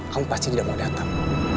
kamu pasti tidak mau datang